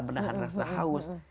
menahan rasa haus